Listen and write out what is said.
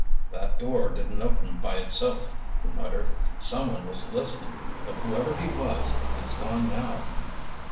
"That door didn't open by itself," he muttered. "Someone was listening. But whoever he was, he's gone now."